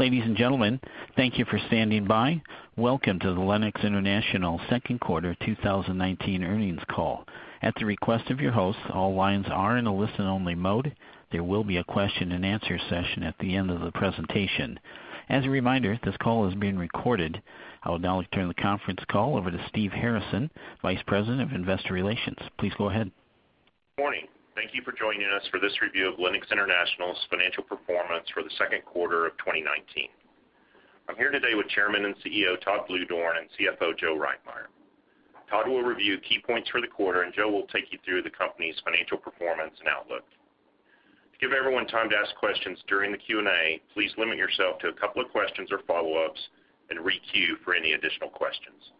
Ladies and gentlemen, thank you for standing by. Welcome to the Lennox International second quarter 2019 earnings call. At the request of your host, all lines are in a listen-only mode. There will be a question and answer session at the end of the presentation. As a reminder, this call is being recorded. I will now turn the conference call over to Steve Harrison, Vice President of Investor Relations. Please go ahead. Morning. Thank you for joining us for this review of Lennox International's financial performance for the second quarter of 2019. I'm here today with Chairman and CEO, Todd Bluedorn, and CFO, Joe Reitmeier. Todd will review key points for the quarter, and Joe will take you through the company's financial performance and outlook. To give everyone time to ask questions during the Q&A, please limit yourself to a couple of questions or follow-ups and re-queue for any additional questions.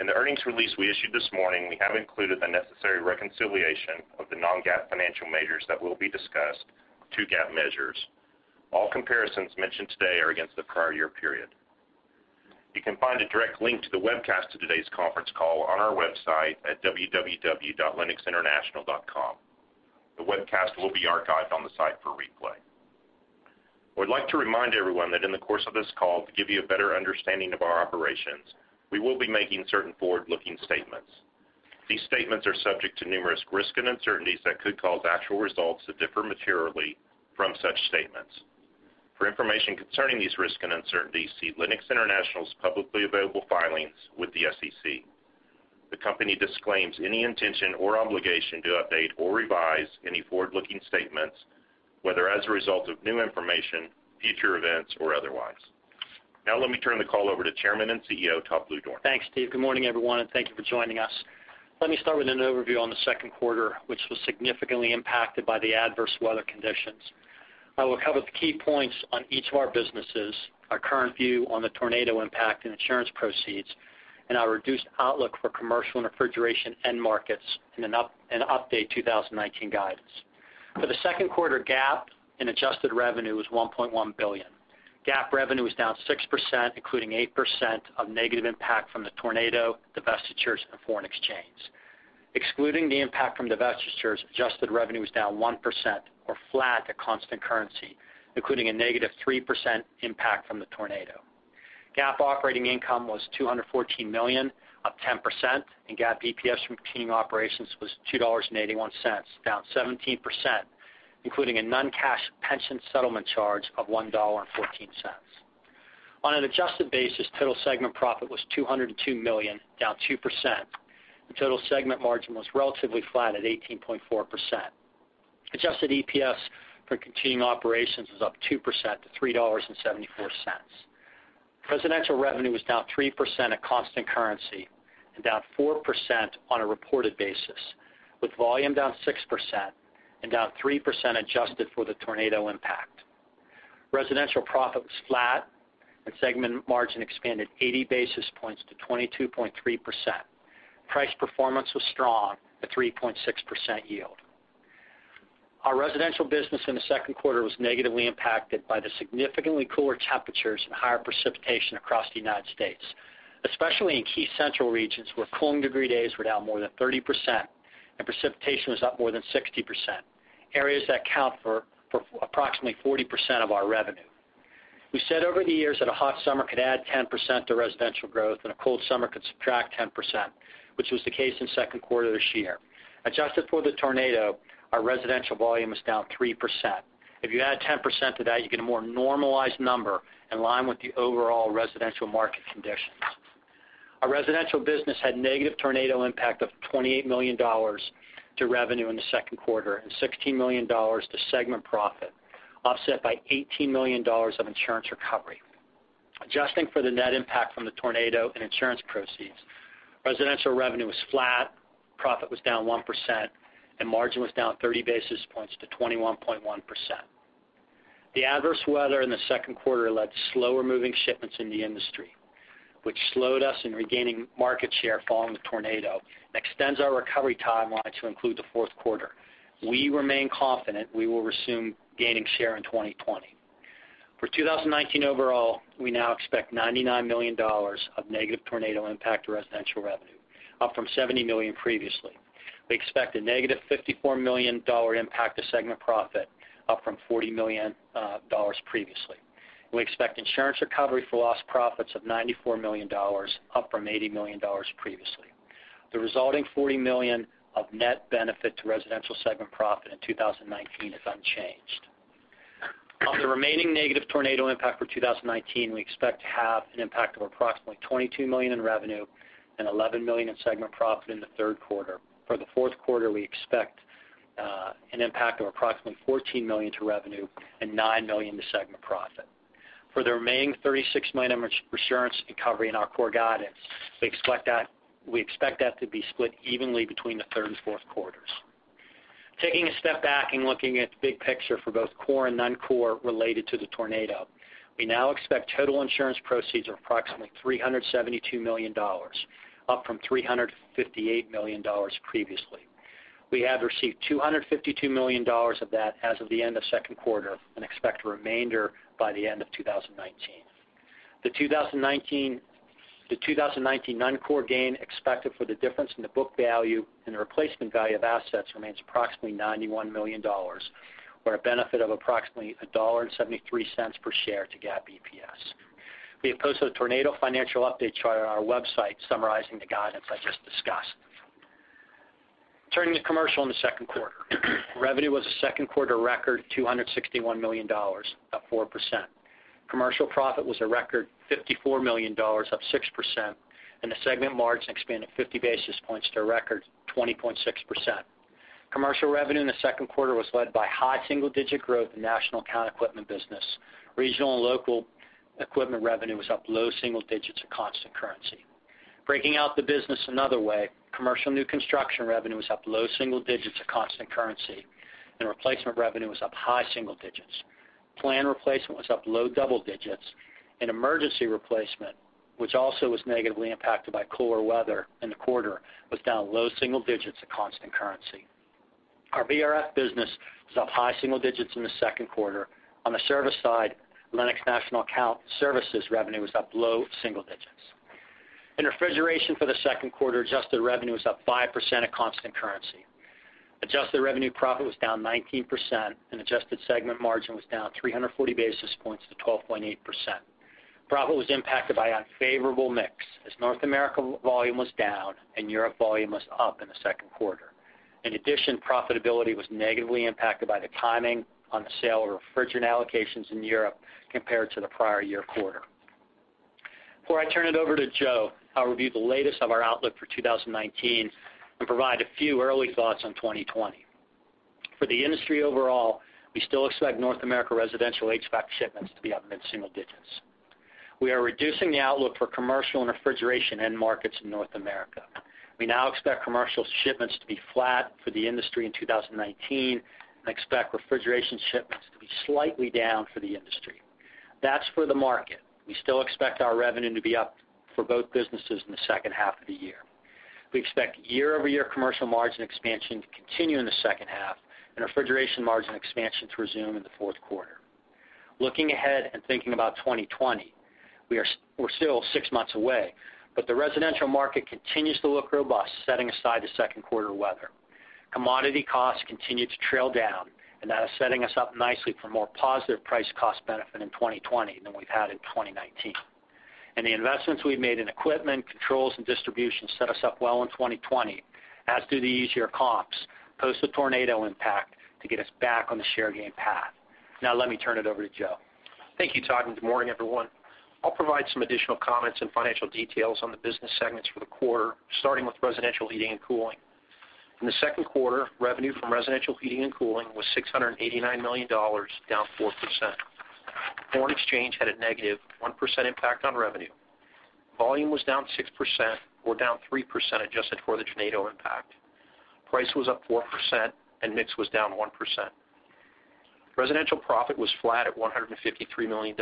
In the earnings release we issued this morning, we have included the necessary reconciliation of the non-GAAP financial measures that will be discussed to GAAP measures. All comparisons mentioned today are against the prior year period. You can find a direct link to the webcast of today's conference call on our website at www.lennoxinternational.com. The webcast will be archived on the site for replay. I would like to remind everyone that in the course of this call, to give you a better understanding of our operations, we will be making certain forward-looking statements. These statements are subject to numerous risks and uncertainties that could cause actual results to differ materially from such statements. For information concerning these risks and uncertainties, see Lennox International's publicly available filings with the SEC. The company disclaims any intention or obligation to update or revise any forward-looking statements, whether as a result of new information, future events, or otherwise. Now let me turn the call over to Chairman and CEO, Todd Bluedorn. Thanks, Steve. Good morning, everyone, and thank you for joining us. Let me start with an overview on the second quarter, which was significantly impacted by the adverse weather conditions. I will cover the key points on each of our businesses, our current view on the tornado impact and insurance proceeds, and our reduced outlook for commercial and refrigeration end markets, and update 2019 guidance. For the second quarter, GAAP and adjusted revenue was $1.1 billion. GAAP revenue was down 6%, including 8% of negative impact from the tornado, divestitures, and foreign exchange. Excluding the impact from divestitures, adjusted revenue was down 1%, or flat at constant currency, including a negative 3% impact from the tornado. GAAP operating income was $214 million, up 10%, and GAAP EPS from continuing operations was $2.81, down 17%, including a non-cash pension settlement charge of $1.14. On an adjusted basis, total segment profit was $202 million, down 2%, and total segment margin was relatively flat at 18.4%. Adjusted EPS for continuing operations was up 2% to $3.74. Residential revenue was down 3% at constant currency and down 4% on a reported basis, with volume down 6% and down 3% adjusted for the tornado impact. Residential profit was flat, and segment margin expanded 80 basis points to 22.3%. Price performance was strong at 3.6% yield. Our residential business in the second quarter was negatively impacted by the significantly cooler temperatures and higher precipitation across the U.S., especially in key central regions where cooling degree days were down more than 30% and precipitation was up more than 60%, areas that account for approximately 40% of our revenue. We said over the years that a hot summer could add 10% to residential growth and a cold summer could subtract 10%, which was the case in the second quarter of this year. Adjusted for the tornado, our residential volume is down 3%. If you add 10% to that, you get a more normalized number in line with the overall residential market conditions. Our residential business had negative tornado impact of $28 million to revenue in the second quarter and $16 million to segment profit, offset by $18 million of insurance recovery. Adjusting for the net impact from the tornado and insurance proceeds, residential revenue was flat, profit was down 1%, and margin was down 30 basis points to 21.1%. The adverse weather in the second quarter led to slower-moving shipments in the industry, which slowed us in regaining market share following the tornado and extends our recovery timeline to include the fourth quarter. We remain confident we will resume gaining share in 2020. For 2019 overall, we now expect $99 million of negative tornado impact to residential revenue, up from $70 million previously. We expect a negative $54 million impact to segment profit, up from $40 million previously. We expect insurance recovery for lost profits of $94 million, up from $80 million previously. The resulting $40 million of net benefit to residential segment profit in 2019 is unchanged. On the remaining negative tornado impact for 2019, we expect to have an impact of approximately $22 million in revenue and $11 million in segment profit in the third quarter. For the fourth quarter, we expect an impact of approximately $14 million to revenue and $9 million to segment profit. For the remaining $36 million of insurance recovery in our core guidance, we expect that to be split evenly between the third and fourth quarters. Taking a step back and looking at the big picture for both core and non-core related to the tornado, we now expect total insurance proceeds of approximately $372 million, up from $358 million previously. We have received $252 million of that as of the end of the second quarter and expect the remainder by the end of 2019. The 2019 non-core gain expected for the difference in the book value and the replacement value of assets remains approximately $91 million, or a benefit of approximately $1.73 per share to GAAP EPS. We have posted a Lennox financial update chart on our website summarizing the guidance I just discussed. Turning to commercial in the 2nd quarter. Revenue was a 2nd quarter record $261 million, up 4%. Commercial profit was a record $54 million, up 6%, and the segment margin expanded 50 basis points to a record 20.6%. Commercial revenue in the 2nd quarter was led by high single-digit growth in national account equipment business. Regional and local equipment revenue was up low single digits at constant currency. Breaking out the business another way, commercial new construction revenue was up low single digits at constant currency, and replacement revenue was up high single digits. Planned replacement was up low double digits, and emergency replacement, which also was negatively impacted by cooler weather in the quarter, was down low single digits at constant currency. Our VRF business was up high single digits in the second quarter. On the service side, Lennox National Account Services revenue was up low single digits. In refrigeration for the second quarter, adjusted revenue was up 5% at constant currency. Adjusted revenue profit was down 19%, and adjusted segment margin was down 340 basis points to 12.8%. Profit was impacted by unfavorable mix as North America volume was down and Europe volume was up in the second quarter. In addition, profitability was negatively impacted by the timing on the sale of refrigerant allocations in Europe compared to the prior year quarter. Before I turn it over to Joe, I'll review the latest of our outlook for 2019 and provide a few early thoughts on 2020. For the industry overall, we still expect North America residential HVAC shipments to be up mid-single digits. We are reducing the outlook for commercial and refrigeration end markets in North America. We now expect commercial shipments to be flat for the industry in 2019 and expect refrigeration shipments to be slightly down for the industry. That's for the market. We still expect our revenue to be up for both businesses in the second half of the year. We expect year-over-year commercial margin expansion to continue in the second half and refrigeration margin expansion to resume in the fourth quarter. Looking ahead and thinking about 2020, we're still six months away, but the residential market continues to look robust, setting aside the second quarter weather. Commodity costs continue to trail down, and that is setting us up nicely for more positive price cost benefit in 2020 than we've had in 2019. The investments we've made in equipment, controls, and distribution set us up well in 2020, as do the easier comps post the tornado impact to get us back on the share gain path. Let me turn it over to Joe. Thank you, Todd. Good morning, everyone. I'll provide some additional comments and financial details on the business segments for the quarter, starting with residential heating and cooling. In the second quarter, revenue from residential heating and cooling was $689 million, down 4%. Foreign exchange had a negative 1% impact on revenue. Volume was down 6%, or down 3% adjusted for the tornado impact. Price was up 4%, and mix was down 1%. Residential profit was flat at $153 million.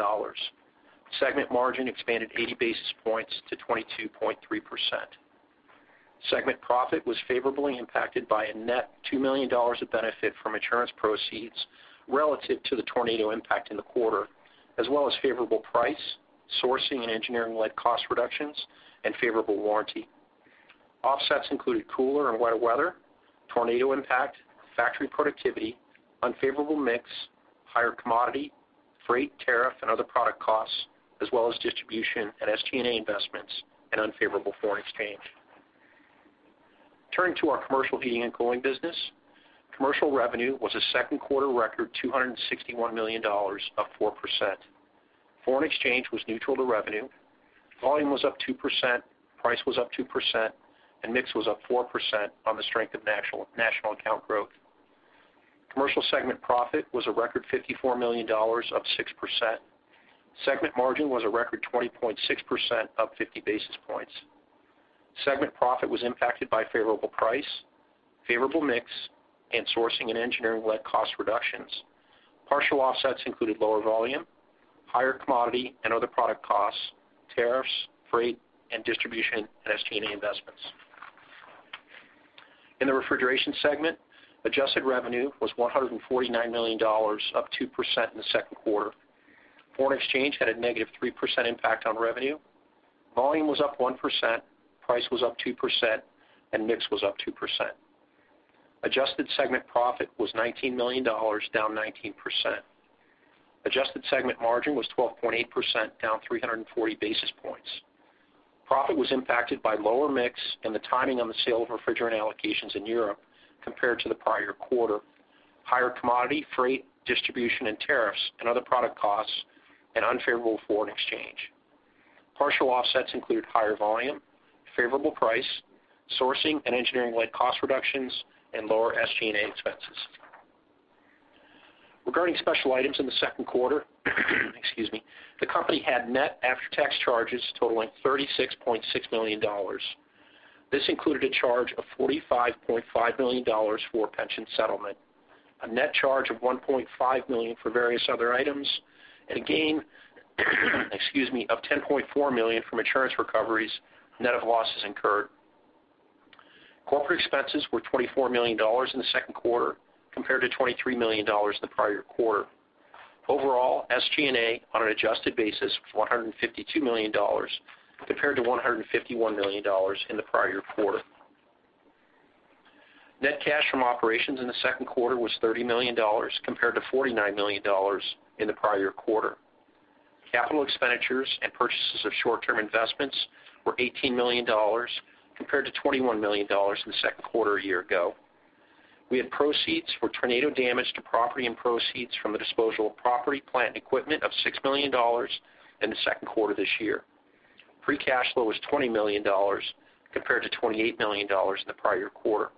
Segment margin expanded 80 basis points to 22.3%. Segment profit was favorably impacted by a net $2 million of benefit from insurance proceeds relative to the tornado impact in the quarter, as well as favorable price, sourcing, and engineering-led cost reductions and favorable warranty. Offsets included cooler and wetter weather, tornado impact, factory productivity, unfavorable mix, higher commodity, freight, tariff, and other product costs, as well as distribution and SG&A investments and unfavorable foreign exchange. Turning to our Commercial heating and cooling business. Commercial revenue was a second quarter record $261 million, up 4%. Foreign exchange was neutral to revenue. Volume was up 2%, price was up 2%, and mix was up 4% on the strength of national account growth. Commercial segment profit was a record $54 million, up 6%. Segment margin was a record 20.6%, up 50 basis points. Segment profit was impacted by favorable price, favorable mix, and sourcing and engineering-led cost reductions. Partial offsets included lower volume, higher commodity and other product costs, tariffs, freight, and distribution, and SG&A investments. In the Refrigeration segment, adjusted revenue was $149 million, up 2% in the second quarter. Foreign exchange had a negative 3% impact on revenue. Volume was up 1%, price was up 2%, and mix was up 2%. Adjusted segment profit was $19 million, down 19%. Adjusted segment margin was 12.8%, down 340 basis points. Profit was impacted by lower mix and the timing on the sale of refrigerant allocations in Europe compared to the prior quarter, higher commodity, freight, distribution, and tariffs and other product costs, and unfavorable foreign exchange. Partial offsets include higher volume, favorable price, sourcing and engineering-led cost reductions, and lower SG&A expenses. Regarding special items in the second quarter, the company had net after-tax charges totaling $36.6 million. This included a charge of $45.5 million for a pension settlement, a net charge of $1.5 million for various other items, and a gain of $10.4 million from insurance recoveries, net of losses incurred. Corporate expenses were $24 million in the second quarter compared to $23 million in the prior quarter. Overall, SG&A on an adjusted basis was $152 million compared to $151 million in the prior quarter. Net cash from operations in the second quarter was $30 million compared to $49 million in the prior quarter. Capital expenditures and purchases of short-term investments were $18 million compared to $21 million in the second quarter a year ago. We had proceeds for tornado damage to property and proceeds from the disposal of property, plant, and equipment of $6 million in the second quarter this year. Free cash flow was $20 million compared to $28 million in the prior quarter.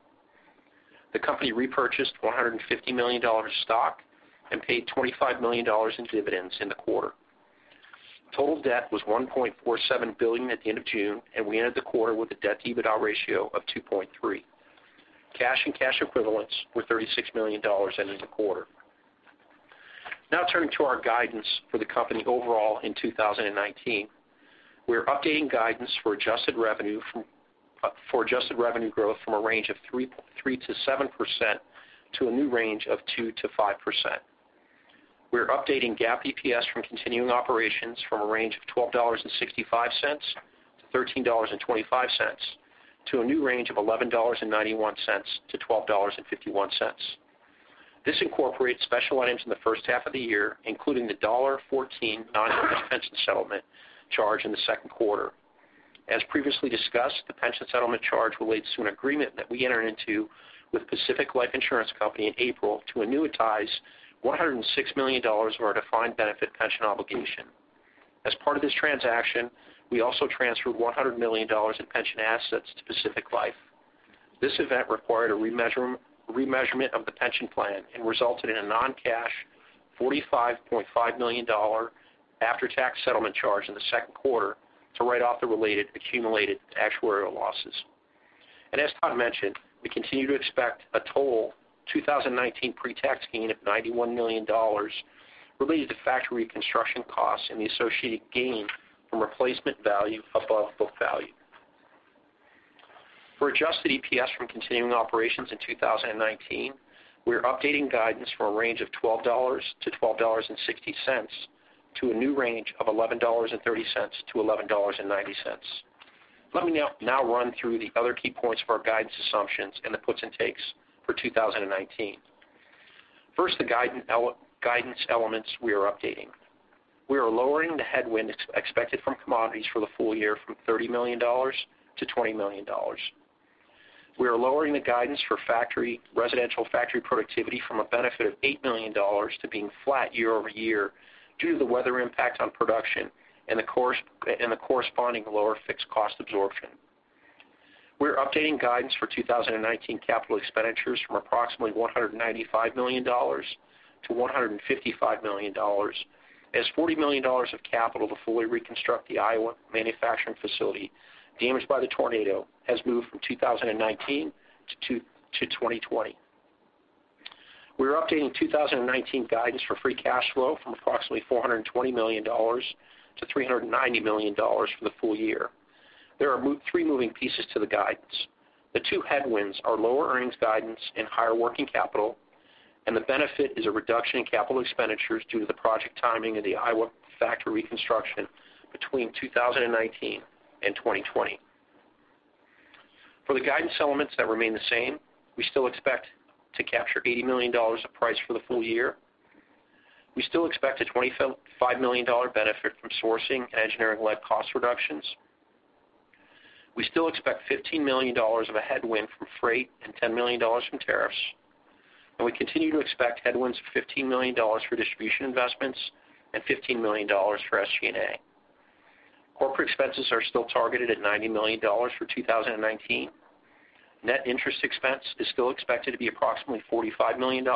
The company repurchased $150 million of stock and paid $25 million in dividends in the quarter. Total debt was $1.47 billion at the end of June, and we ended the quarter with a debt-EBITDA ratio of 2.3. Cash and cash equivalents were $36 million ending the quarter. Turning to our guidance for the company overall in 2019. We are updating guidance for adjusted revenue growth from a range of 3%-7% to a new range of 2%-5%. We are updating GAAP EPS from continuing operations from a range of $12.65-$13.25 to a new range of $11.91-$12.51. This incorporates special items in the first half of the year, including the $1.14 non-cash pension settlement charge in the second quarter. As previously discussed, the pension settlement charge relates to an agreement that we entered into with Pacific Life Insurance Company in April to annuitize $106 million of our defined benefit pension obligation. As part of this transaction, we also transferred $100 million in pension assets to Pacific Life. This event required a remeasurement of the pension plan and resulted in a non-cash $45.5 million after-tax settlement charge in the second quarter to write off the related accumulated actuarial losses. As Todd mentioned, we continue to expect a total 2019 pre-tax gain of $91 million related to factory reconstruction costs and the associated gain from replacement value above book value. For adjusted EPS from continuing operations in 2019, we are updating guidance for a range of $12-$12.60 to a new range of $11.30-$11.90. Let me now run through the other key points of our guidance assumptions and the puts and takes for 2019. First, the guidance elements we are updating. We are lowering the headwind expected from commodities for the full year from $30 million to $20 million. We are lowering the guidance for residential factory productivity from a benefit of $8 million to being flat year-over-year due to the weather impact on production and the corresponding lower fixed cost absorption. We are updating guidance for 2019 CapEx from approximately $195 million to $155 million as $40 million of capital to fully reconstruct the Iowa manufacturing facility damaged by the tornado has moved from 2019-2020. We are updating 2019 guidance for free cash flow from approximately $420 million to $390 million for the full year. There are three moving pieces to the guidance. The two headwinds are lower earnings guidance and higher working capital, and the benefit is a reduction in capital expenditures due to the project timing of the Iowa factory reconstruction between 2019 and 2020. For the guidance elements that remain the same, we still expect to capture $80 million of price for the full year. We still expect a $25 million benefit from sourcing and engineering-led cost reductions. We still expect $15 million of a headwind from freight and $10 million from tariffs, and we continue to expect headwinds of $15 million for distribution investments and $15 million for SG&A. Corporate expenses are still targeted at $90 million for 2019. Net interest expense is still expected to be approximately $45 million,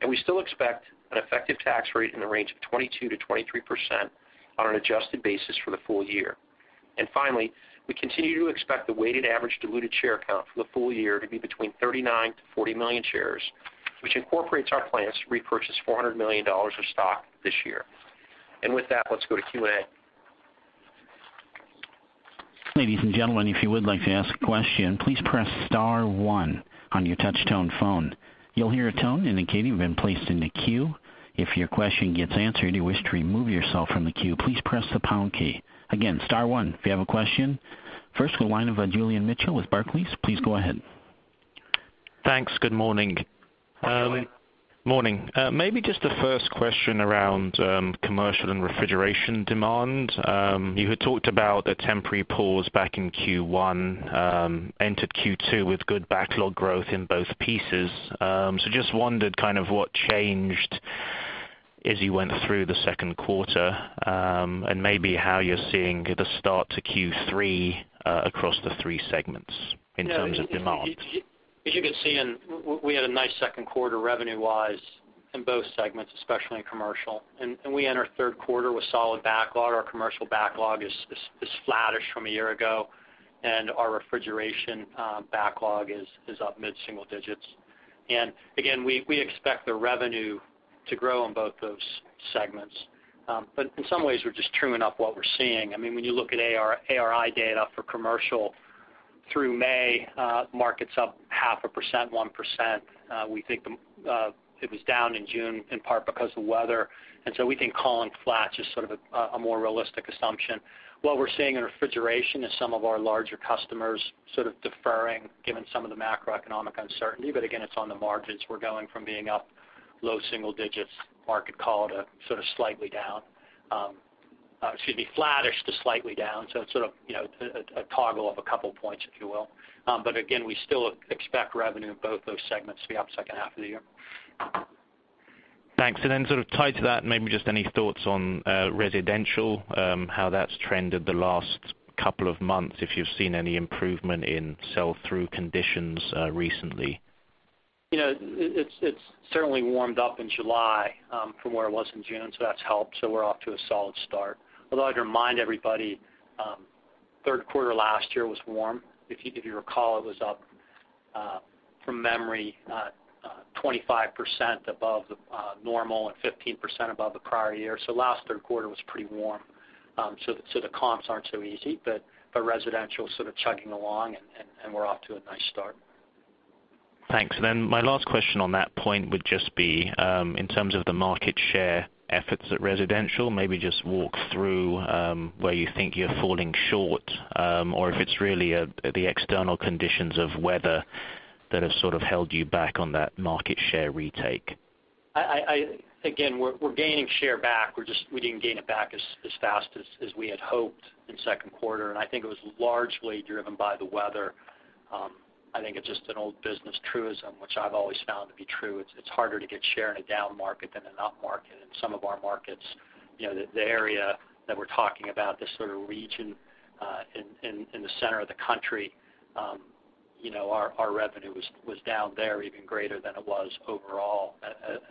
and we still expect an effective tax rate in the range of 22%-23% on an adjusted basis for the full year. Finally, we continue to expect the weighted average diluted share count for the full year to be between 39 million-40 million shares, which incorporates our plans to repurchase $400 million of stock this year. With that, let's go to Q&A. Ladies and gentlemen, if you would like to ask a question, please press star one on your touch-tone phone. You'll hear a tone indicating you've been placed in the queue. If your question gets answered and you wish to remove yourself from the queue, please press the hash key. Again, star one if you have a question. First we'll wind with Julian Mitchell with Barclays. Please go ahead. Thanks. Good morning. Hi, Julian. Morning. Maybe just the first question around commercial and refrigeration demand. You had talked about a temporary pause back in Q1, entered Q2 with good backlog growth in both pieces. Just wondered what changed as you went through the second quarter, and maybe how you're seeing the start to Q3 across the three segments in terms of demand. As you can see, we had a nice second quarter revenue-wise in both segments, especially in commercial. We enter third quarter with solid backlog. Our commercial backlog is flattish from a year ago, and our refrigeration backlog is up mid-single digits. Again, we expect the revenue to grow in both those segments. In some ways, we're just truing up what we're seeing. When you look at ARI data for commercial through May, market's up half a percent, 1%. We think it was down in June in part because of weather, we think calling flat is sort of a more realistic assumption. What we're seeing in refrigeration is some of our larger customers sort of deferring, given some of the macroeconomic uncertainty. Again, it's on the margins. We're going from being up low single digits market call to sort of slightly down. Excuse me, flattish to slightly down. It's sort of a toggle of a couple points, if you will. Again, we still expect revenue in both those segments to be up second half of the year. Thanks. Then sort of tied to that, maybe just any thoughts on residential, how that's trended the last couple of months, if you've seen any improvement in sell-through conditions recently? It's certainly warmed up in July, from where it was in June, that's helped. We're off to a solid start. I'd remind everybody, third quarter last year was warm. If you recall, it was up, from memory, 25% above normal and 15% above the prior year. Last third quarter was pretty warm. The comps aren't so easy, but residential's sort of chugging along, and we're off to a nice start. Thanks. My last question on that point would just be, in terms of the market share efforts at residential, maybe just walk through where you think you're falling short, or if it's really the external conditions of weather that have sort of held you back on that market share retake? Again, we're gaining share back. We didn't gain it back as fast as we had hoped in second quarter, and I think it was largely driven by the weather. I think it's just an old business truism which I've always found to be true. It's harder to get share in a down market than an up market. Some of our markets, the area that we're talking about, this sort of region in the center of the country, our revenue was down there even greater than it was overall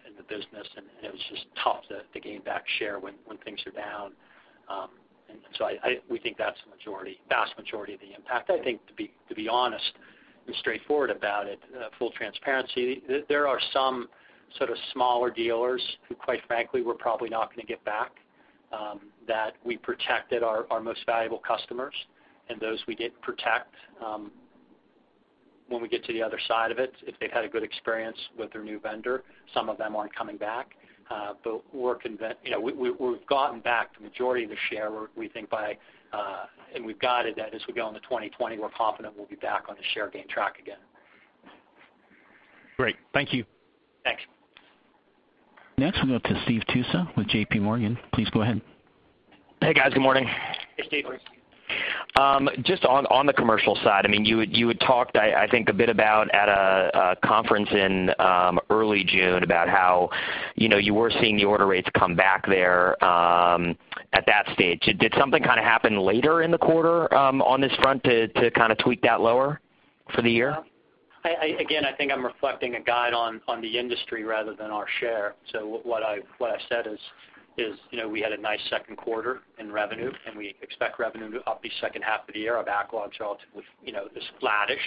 in the business, and it was just tough to gain back share when things are down. We think that's the vast majority of the impact. I think, to be honest and straightforward about it, full transparency, there are some sort of smaller dealers who, quite frankly, we're probably not going to get back, that we protected our most valuable customers. Those we did protect, when we get to the other side of it, if they've had a good experience with their new vendor, some of them aren't coming back. We've gotten back the majority of the share. We've guided that as we go into 2020, we're confident we'll be back on the share gain track again. Great. Thank you. Thanks. Next, we'll go to Steve Tusa with JPMorgan. Please go ahead. Hey, guys. Good morning. Hey, Steve. Just on the commercial side, you had talked, I think, a bit about at a conference in early June about how you were seeing the order rates come back there, at that stage. Did something kind of happen later in the quarter, on this front to kind of tweak that lower for the year? Again, I think I'm reflecting a guide on the industry rather than our share. What I said is we had a nice second quarter in revenue, and we expect revenue to up the second half of the year. Our backlogs are relatively just flattish,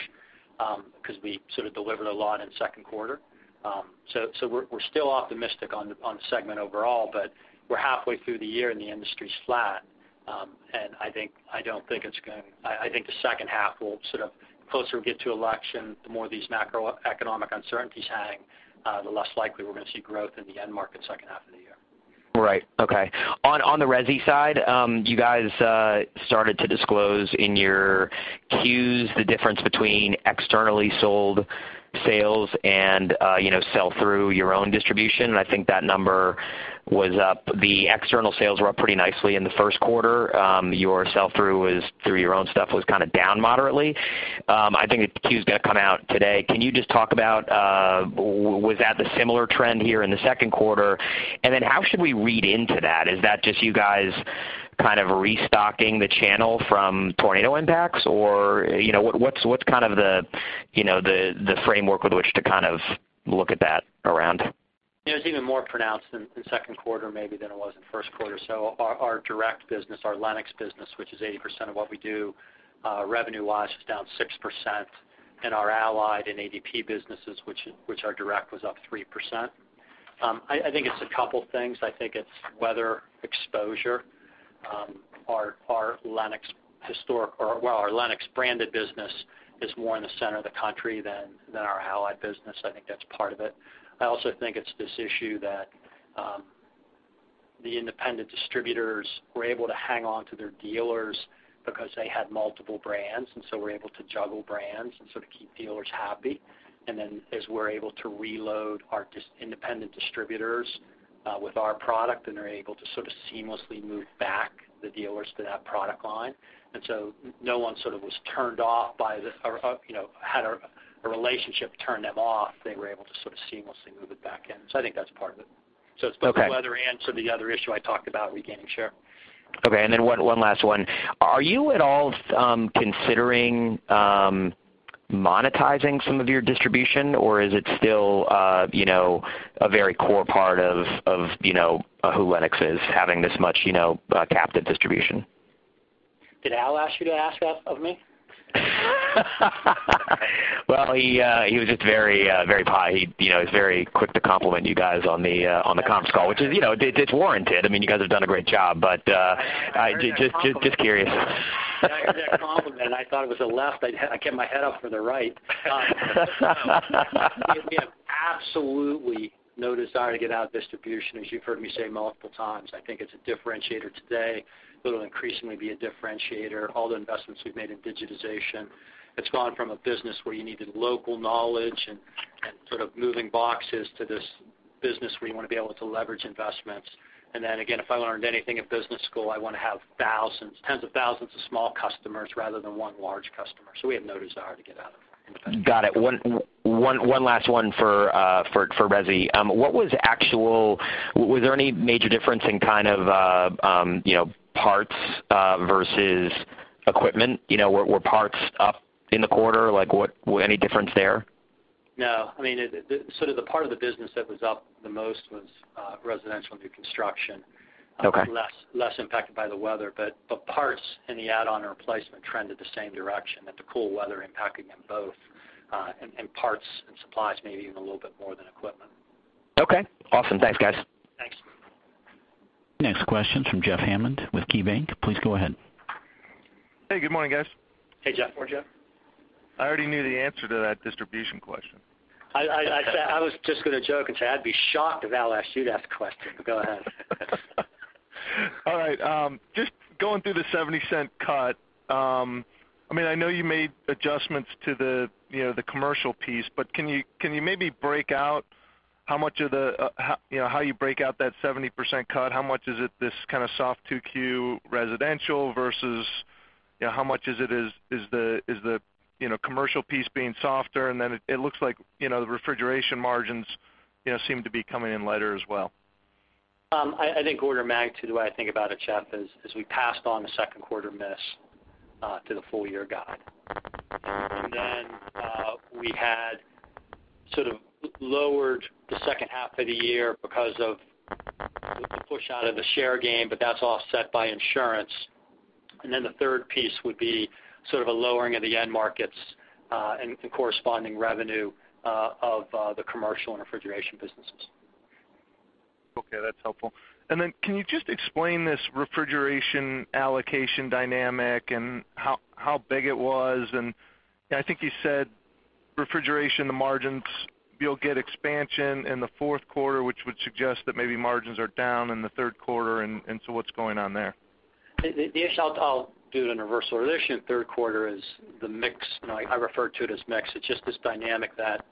because we sort of delivered a lot in the second quarter. We're still optimistic on the segment overall, but we're halfway through the year, and the industry's flat. I think the second half will sort of, the closer we get to election, the more these macroeconomic uncertainties hang, the less likely we're going to see growth in the end market second half of the year. Right. Okay. On the resi side, you guys started to disclose in your Qs the difference between externally sold sales and sell through your own distribution, and I think that number was up. The external sales were up pretty nicely in the first quarter. Your sell through your own stuff was kind of down moderately. I think the Q's going to come out today. Can you just talk about, was that the similar trend here in the second quarter? How should we read into that? Is that just you guys kind of restocking the channel from tornado impacts? What's kind of the framework with which to kind of look at that around? It was even more pronounced in the second quarter maybe than it was in the first quarter. Our direct business, our Lennox business, which is 80% of what we do revenue-wise, is down 6%. Our Allied and ADP businesses, which are direct, was up 3%. I think it's a couple things. I think it's weather exposure. Our Lennox branded business is more in the center of the country than our Allied business. I think that's part of it. I also think it's this issue that the independent distributors were able to hang on to their dealers because they had multiple brands, were able to juggle brands and sort of keep dealers happy, as we're able to reload our independent distributors with our product and are able to sort of seamlessly move back the dealers to that product line. No one sort of had a relationship turn them off. They were able to sort of seamlessly move it back in. I think that's part of it. Okay. It's both the weather and sort of the other issue I talked about, regaining share. Okay, one last one. Are you at all considering monetizing some of your distribution, or is it still a very core part of who Lennox is, having this much captive distribution? Did Al ask you to ask that of me? Well, he was just very polite. He's very quick to compliment you guys on the comps call, which is warranted. You guys have done a great job, but just curious. I heard that compliment and I thought it was a left. I kept my head up for the right. We have absolutely no desire to get out of distribution, as you've heard me say multiple times. I think it's a differentiator today, but it'll increasingly be a differentiator. All the investments we've made in digitization, it's gone from a business where you needed local knowledge and sort of moving boxes to this business where you want to be able to leverage investments. Again, if I learned anything at business school, I want to have thousands, tens of thousands of small customers rather than one large customer. We have no desire to get out of it. Got it. One last one for Resi. Was there any major difference in kind of parts versus equipment? Were parts up in the quarter? Any difference there? No. The part of the business that was up the most was residential new construction. Okay. Less impacted by the weather. Parts and the add-on replacement trended the same direction, with the cool weather impacting them both, and parts and supplies maybe even a little bit more than equipment. Okay, awesome. Thanks, guys. Thanks. Next question from Jeff Hammond with KeyBanc. Please go ahead. Hey, good morning, guys. Hey, Jeff. Good morning, Jeff. I already knew the answer to that distribution question. I was just going to joke and say I'd be shocked if Al asked you that question, but go ahead. All right. Just going through the $0.70 cut. I know you made adjustments to the commercial piece, can you maybe break out how you break out that 70% cut? How much is it this kind of soft 2Q residential versus how much is it the commercial piece being softer? It looks like the refrigeration margins seem to be coming in lighter as well. I think order of magnitude, the way I think about it, Jeff, is we passed on the second quarter miss to the full year guide. We had sort of lowered the second half of the year because of the push out of the share gain, but that's offset by insurance. The third piece would be sort of a lowering of the end markets, and the corresponding revenue of the commercial and refrigeration businesses. Okay, that's helpful. Can you just explain this refrigeration allocation dynamic and how big it was? I think you said refrigeration, the margins, you'll get expansion in the fourth quarter, which would suggest that maybe margins are down in the third quarter. What's going on there? The issue, I'll do it in a reversal. The issue in the third quarter is the mix. I refer to it as mix. It's just this dynamic that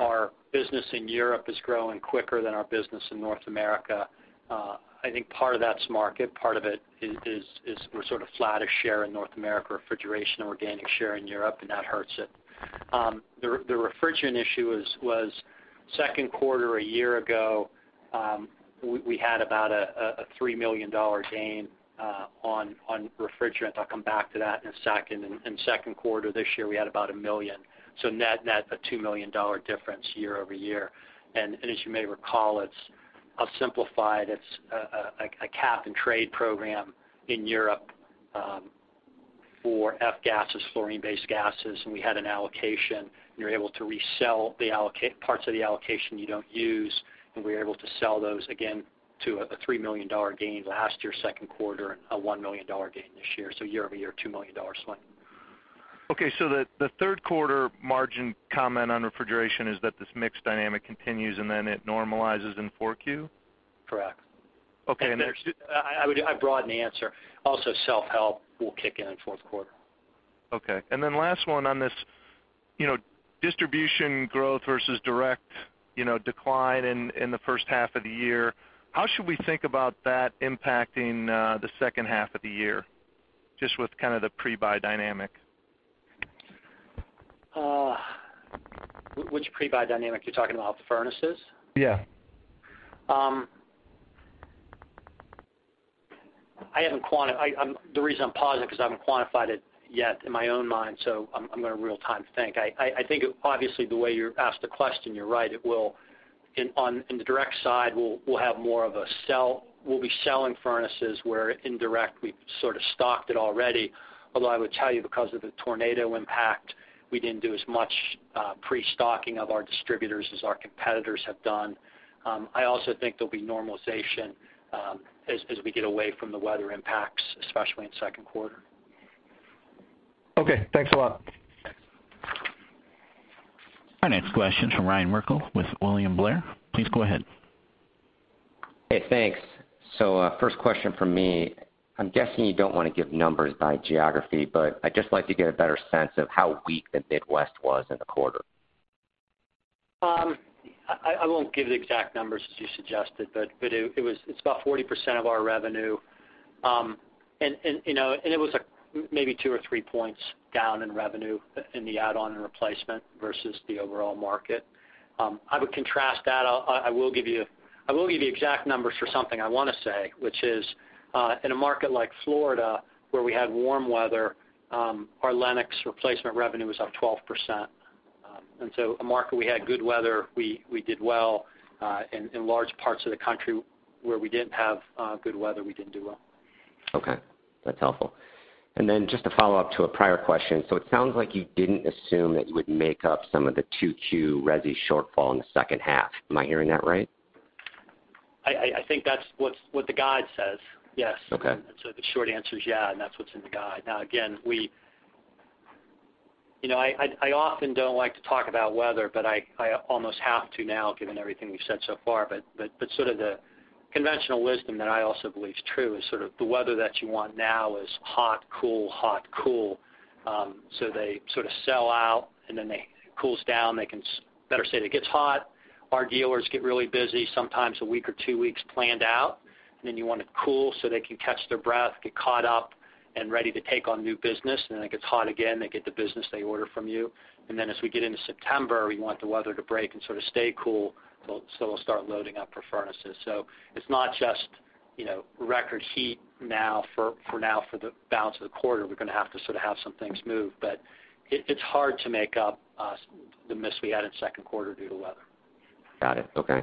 our business in Europe is growing quicker than our business in North America. I think part of that's market. Part of it is we're sort of flat as share in North America refrigeration, organic share in Europe, and that hurts it. The refrigerant issue was second quarter a year ago, we had about a $3 million gain on refrigerant. I'll come back to that in a second. In the second quarter this year, we had about $1 million. Net, a $2 million difference year-over-year. As you may recall, I'll simplify it's a cap and trade program in Europe for F-gases, fluorine-based gases, and we had an allocation. You're able to resell parts of the allocation you don't use, and we were able to sell those again to a $3 million gain last year, second quarter, and a $1 million gain this year. Year-over-year, $2 million swing. Okay, the third quarter margin comment on refrigeration is that this mix dynamic continues, and then it normalizes in 4Q? Correct. Okay, I'd broaden the answer. Also, self-help will kick in in the fourth quarter. Okay. Last one on this distribution growth versus direct decline in the first half of the year. How should we think about that impacting the second half of the year, just with kind of the pre-buy dynamic? Which pre-buy dynamic are you talking about, the furnaces? Yeah. The reason I'm pausing is because I haven't quantified it yet in my own mind, so I'm going to real time think. I think, obviously, the way you asked the question, you're right. In the direct side, we'll be selling furnaces, where indirect, we've sort of stocked it already. I would tell you, because of the tornado impact, we didn't do as much pre-stocking of our distributors as our competitors have done. I also think there'll be normalization as we get away from the weather impacts, especially in the second quarter. Okay, thanks a lot. Our next question is from Ryan Merkel with William Blair. Please go ahead. Hey, thanks. First question from me. I'm guessing you don't want to give numbers by geography, but I'd just like to get a better sense of how weak the Midwest was in the quarter. I won't give the exact numbers as you suggested, but it's about 40% of our revenue. It was maybe two or three points down in revenue in the add-on and replacement versus the overall market. I would contrast that. I will give you exact numbers for something I want to say, which is, in a market like Florida where we had warm weather, our Lennox replacement revenue was up 12%. A market we had good weather, we did well. In large parts of the country where we didn't have good weather, we didn't do well. Okay. That's helpful. Just to follow up to a prior question, so it sounds like you didn't assume that you would make up some of the 2Q resi shortfall in the second half. Am I hearing that right? I think that's what the guide says. Yes. Okay. The short answer is yeah, and that's what's in the guide. Again, I often don't like to talk about weather, but I almost have to now given everything we've said so far. Sort of the conventional wisdom that I also believe is true is sort of the weather that you want now is hot, cool, hot, cool. They sort of sell out, and then it cools down. Better said, it gets hot, our dealers get really busy, sometimes a week or two weeks planned out. Then you want it cool so they can catch their breath, get caught up and ready to take on new business. Then it gets hot again, they get the business, they order from you. As we get into September, we want the weather to break and sort of stay cool, so they'll start loading up for furnaces. It's not just record heat now for the balance of the quarter, we're going to have to sort of have some things move. It's hard to make up the miss we had in second quarter due to weather. Got it. Okay.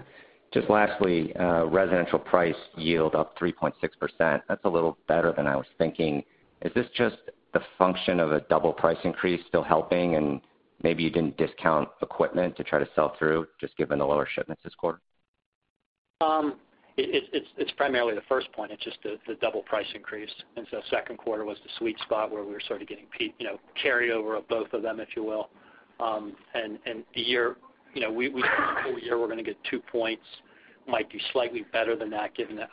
Just lastly, residential price yield up 3.6%. That's a little better than I was thinking. Is this just the function of a double price increase still helping and maybe you didn't discount equipment to try to sell through, just given the lower shipments this quarter? It's primarily the first point. Second quarter was the sweet spot where we were sort of getting carryover of both of them, if you will. The year, we think full year we're going to get two points, might do slightly better than that given the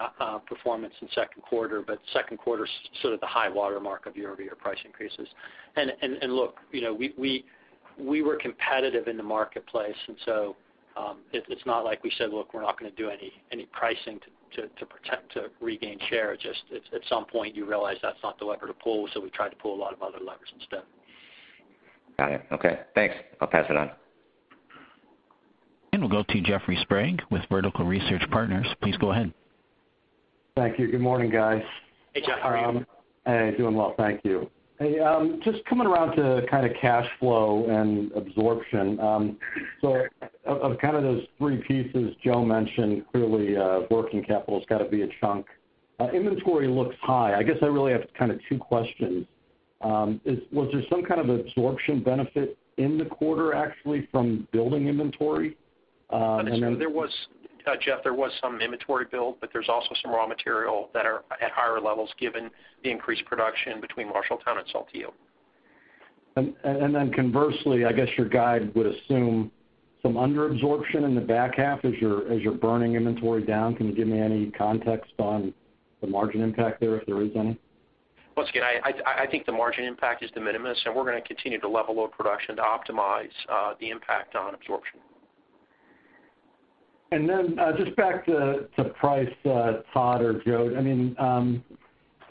performance in second quarter. Second quarter's sort of the high watermark of year-over-year price increases. Look, we were competitive in the marketplace, and so, it's not like we said, "Look, we're not going to do any pricing to regain share." Just, at some point you realize that's not the lever to pull, so we tried to pull a lot of other levers instead. Got it. Okay. Thanks. I'll pass it on. We'll go to Jeffrey Sprague with Vertical Research Partners. Please go ahead. Thank you. Good morning, guys. Hey, Jeff. How are you? Hey, doing well. Thank you. Just coming around to kind of cash flow and absorption. Of kind of those three pieces Joe mentioned, clearly, working capital's got to be a chunk. Inventory looks high. I guess I really have kind of two questions. Was there some kind of absorption benefit in the quarter actually from building inventory? There was, Jeff. There was some inventory build, but there's also some raw material that are at higher levels given the increased production between Marshalltown and Saltillo. Conversely, I guess your guide would assume some under absorption in the back half as you're burning inventory down. Can you give me any context on the margin impact there, if there is any? Once again, I think the margin impact is de minimis, and we're going to continue to level load production to optimize the impact on absorption. Just back to price, Todd or Joe,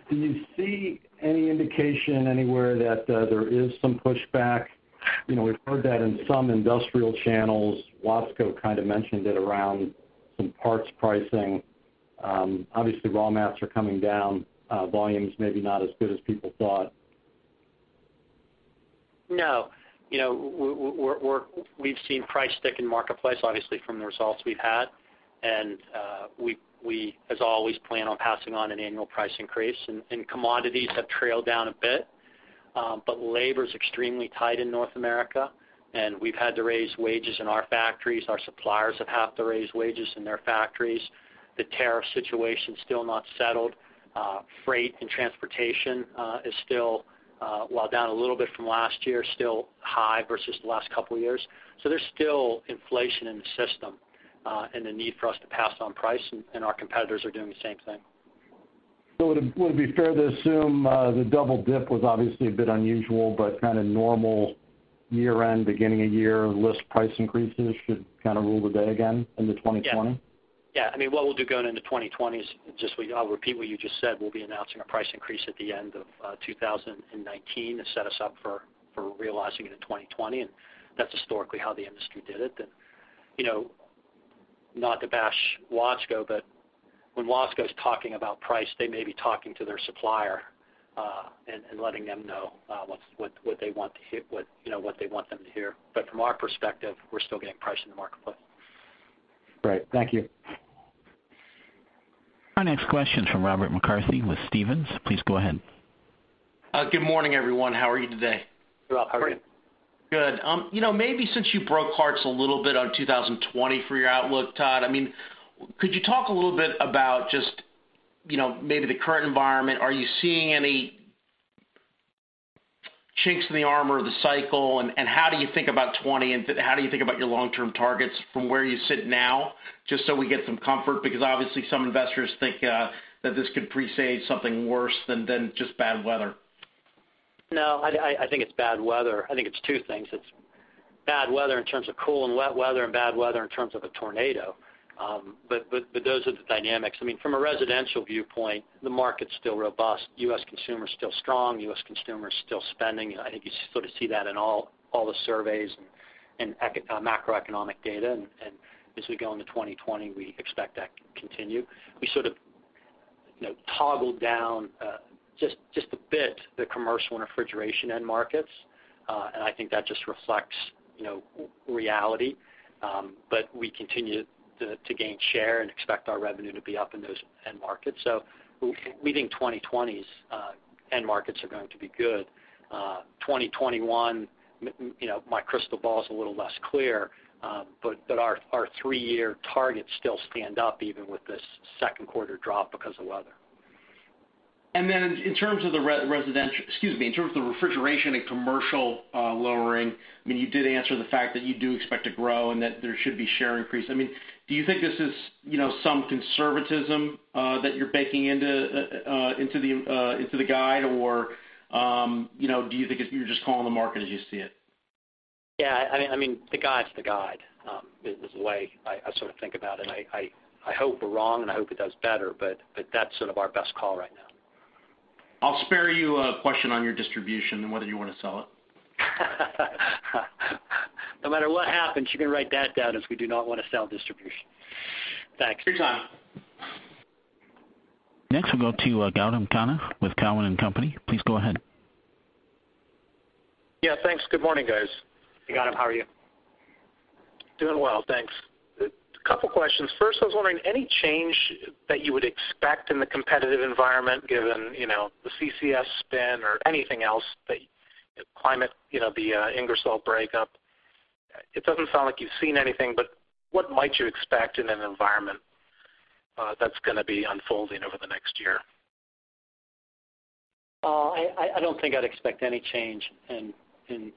do you see any indication anywhere that there is some pushback? We've heard that in some industrial channels. Watsco kind of mentioned it around some parts pricing. Obviously raw mats are coming down, volumes maybe not as good as people thought. No. We've seen price stick in marketplace, obviously from the results we've had. We as always plan on passing on an annual price increase, and commodities have trailed down a bit. Labor's extremely tight in North America, and we've had to raise wages in our factories. Our suppliers have had to raise wages in their factories. The tariff situation's still not settled. Freight and transportation is still, while down a little bit from last year, still high versus the last couple of years. There's still inflation in the system, and the need for us to pass on price, and our competitors are doing the same thing. Would it be fair to assume, the double dip was obviously a bit unusual, but kind of normal year-end, beginning of year list price increases should kind of rule the day again into 2020? Yeah. What we'll do going into 2020 is just, I'll repeat what you just said. We'll be announcing a price increase at the end of 2019 to set us up for realizing it in 2020. That's historically how the industry did it. Not to bash Watsco, when Watsco's talking about price, they may be talking to their supplier, and letting them know what they want them to hear. From our perspective, we're still getting price in the marketplace. Great. Thank you. Our next question's from Robert McCarthy with Stephens. Please go ahead. Good morning, everyone. How are you today? Good. How are you? Good. Maybe since you broke hearts a little bit on 2020 for your outlook, Todd, could you talk a little bit about just maybe the current environment? Are you seeing any chinks in the armor of the cycle? How do you think about 2020, and how do you think about your long-term targets from where you sit now, just so we get some comfort? Obviously some investors think that this could presage something worse than just bad weather. No, I think it's bad weather. I think it's two things. It's bad weather in terms of cool and wet weather, and bad weather in terms of a tornado. Those are the dynamics. From a residential viewpoint, the market's still robust. U.S. consumer's still strong. U.S. consumer's still spending. I think you sort of see that in all the surveys and macroeconomic data. As we go into 2020, we expect that to continue. We toggled down just a bit, the commercial and refrigeration end markets. I think that just reflects reality. We continue to gain share and expect our revenue to be up in those end markets. We think 2020's end markets are going to be good. 2021, my crystal ball's a little less clear. Our three-year targets still stand up, even with this second quarter drop because of weather. In terms of the residential, excuse me, in terms of the refrigeration and commercial unitary, you did answer the fact that you do expect to grow and that there should be share increase. Do you think this is some conservatism that you're baking into the guide? Do you think you're just calling the market as you see it? Yeah. The guide's the guide, is the way I think about it. I hope we're wrong, and I hope it does better, but that's our best call right now. I'll spare you a question on your distribution and whether you want to sell it. No matter what happens, you can write that down as we do not want to sell distribution. Thanks. Sure. Next, we'll go to Gautam Khanna with Cowen and Company. Please go ahead. Yeah, thanks. Good morning, guys. Hey, Gautam. How are you? Doing well, thanks. A couple questions. First, I was wondering, any change that you would expect in the competitive environment given the CCS spin or anything else, the Ingersoll-Rand breakup? It doesn't sound like you've seen anything, but what might you expect in an environment that's going to be unfolding over the next year? I don't think I'd expect any change in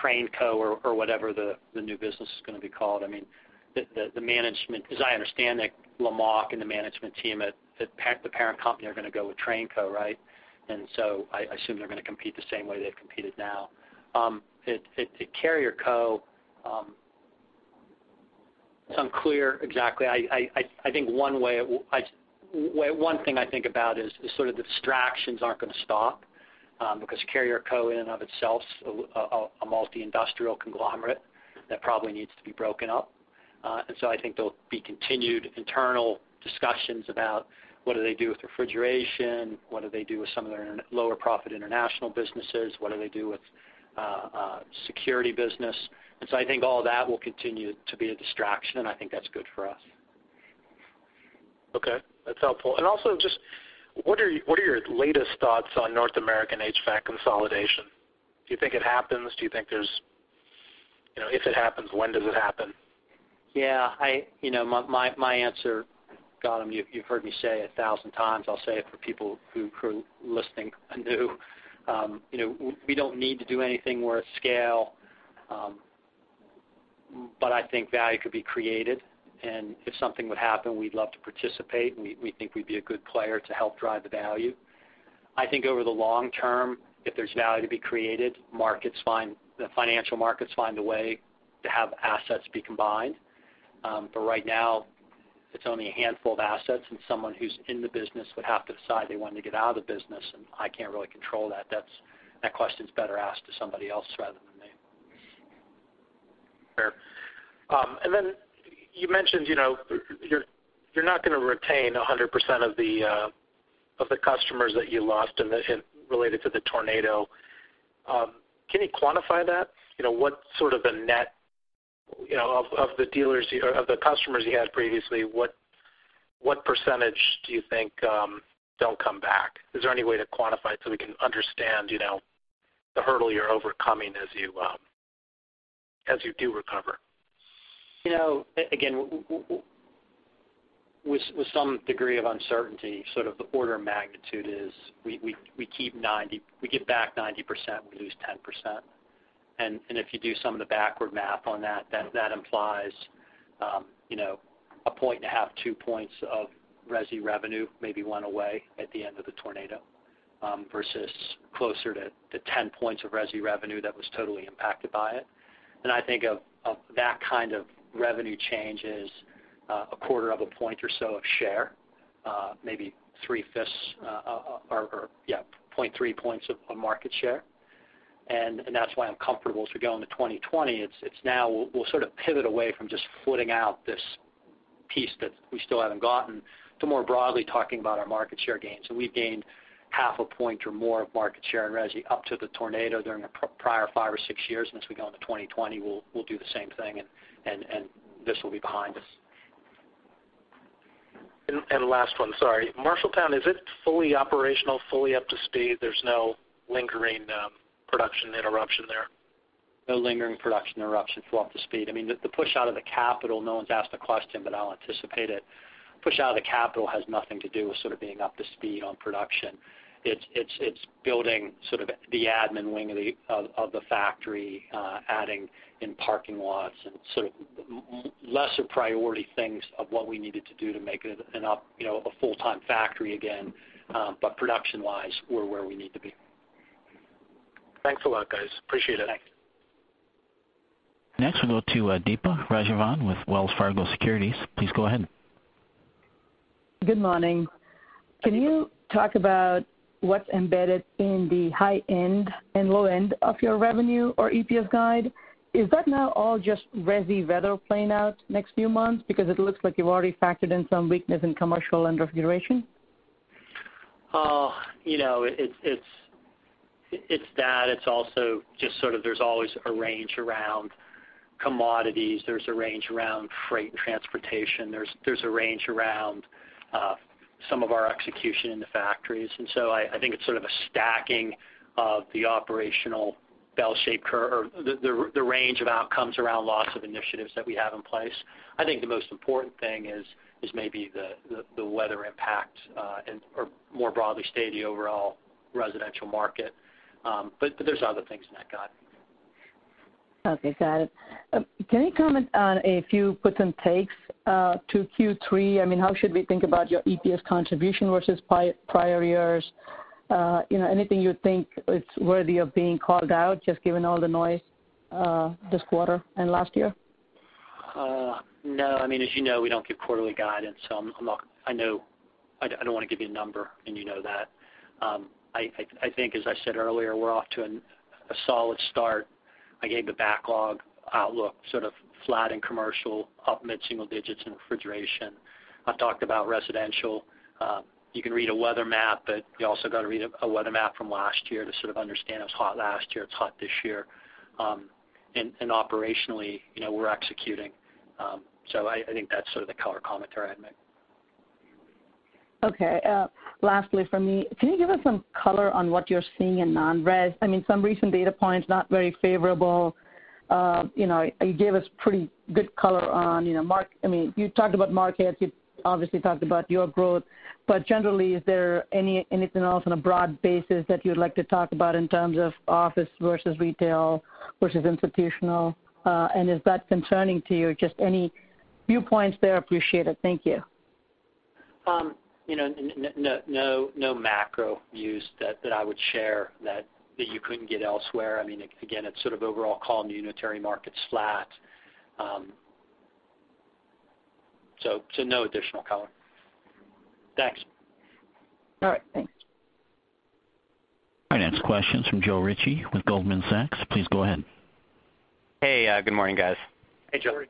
Trane Co. or whatever the new business is going to be called. As I understand that Lamach and the management team at the parent company are going to go with Trane Co., right? I assume they're going to compete the same way they've competed now. At Carrier Co., it's unclear exactly. One thing I think about is the distractions aren't going to stop. Carrier Co., in and of itself, is a multi-industrial conglomerate that probably needs to be broken up. I think there'll be continued internal discussions about what do they do with refrigeration, what do they do with some of their lower profit international businesses? What do they do with security business? I think all that will continue to be a distraction, and I think that's good for us. Okay, that's helpful. Also, just what are your latest thoughts on North American HVAC consolidation? Do you think it happens? If it happens, when does it happen? Yeah. My answer, Gautam, you've heard me say 1,000 times. I'll say it for people who are listening anew. We don't need to do anything. We're at scale. I think value could be created. If something would happen, we'd love to participate, and we think we'd be a good player to help drive the value. I think over the long term, if there's value to be created, the financial markets find a way to have assets be combined. Right now, it's only a handful of assets, and someone who's in the business would have to decide they wanted to get out of the business, and I can't really control that. That question's better asked to somebody else rather than me. Fair. Then you mentioned you're not going to retain 100% of the customers that you lost related to the tornado. Can you quantify that? Of the customers you had previously, what percentage do you think don't come back? Is there any way to quantify it so we can understand the hurdle you're overcoming as you do recover? With some degree of uncertainty, the order of magnitude is we get back 90%, we lose 10%. If you do some of the backward math on that implies a point and a half, 2 points of resi revenue, maybe went away at the end of the tornado, versus closer to 10 points of resi revenue that was totally impacted by it. I think of that kind of revenue change as a quarter of a point or so of share, maybe three-fifths or 0.3 points of market share. That's why I'm comfortable as we go into 2020. We'll pivot away from just footing out this piece that we still haven't gotten to more broadly talking about our market share gains. We've gained half a point or more of market share in resi up to the tornado during the prior five or six years. As we go into 2020, we'll do the same thing, and this will be behind us. Last one, sorry. Marshalltown, is it fully operational, fully up to speed? There's no lingering production interruption there? No lingering production interruptions. We're up to speed. The push out of the capital, no one's asked the question, but I'll anticipate it. Push out of the capital has nothing to do with being up to speed on production. It's building the admin wing of the factory, adding in parking lots, and lesser priority things of what we needed to do to make it a full-time factory again. But production-wise, we're where we need to be. Thanks a lot, guys. Appreciate it. Thanks. Next, we'll go to Deepa Raghavan with Wells Fargo Securities. Please go ahead. Good morning. Can you talk about what's embedded in the high end and low end of your revenue or EPS guide? Is that now all just resi weather playing out next few months? It looks like you've already factored in some weakness in commercial and refrigeration. It's that. It's also just there's always a range around commodities. There's a range around freight and transportation. There's a range around some of our execution in the factories. I think it's sort of a stacking of the operational bell shape curve or the range of outcomes around lots of initiatives that we have in place. I think the most important thing is maybe the weather impact, or more broadly stated, the overall residential market. There's other things in that guide. Okay. Got it. Can you comment on a few puts and takes to Q3? How should we think about your EPS contribution versus prior years? Anything you think is worthy of being called out, just given all the noise this quarter and last year? No. As you know, we don't give quarterly guidance. I don't want to give you a number, and you know that. I think, as I said earlier, we're off to a solid start. I gave the backlog outlook, sort of flat in commercial, up mid-single digits in refrigeration. I've talked about residential. You can read a weather map, but you also got to read a weather map from last year to sort of understand it was hot last year, it's hot this year. Operationally, we're executing. I think that's sort of the color commentary I'd make. Okay. Lastly from me, can you give us some color on what you're seeing in non-res? Some recent data points, not very favorable. You talked about markets, you obviously talked about your growth, but generally, is there anything else on a broad basis that you'd like to talk about in terms of office versus retail versus institutional? Is that concerning to you? Just any viewpoints there appreciated. Thank you. No macro views that I would share that you couldn't get elsewhere. It's sort of overall commercial unitary markets flat. No additional color. Thanks. All right. Thanks. Our next question's from Joe Ritchie with Goldman Sachs. Please go ahead. Hey, good morning, guys. Hey, Joe. Good morning.